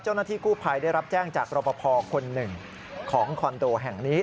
เจ้าหน้าที่กู้ภัยได้รับแจ้งจากรปภคนหนึ่งของคอนโดแห่งนี้